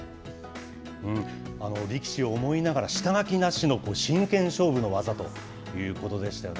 力士を思いながら、下書きなしの真剣勝負の技ということでしたよね。